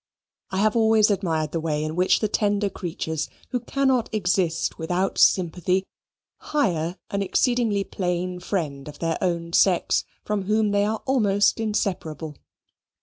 I have always admired the way in which the tender creatures, who cannot exist without sympathy, hire an exceedingly plain friend of their own sex from whom they are almost inseparable.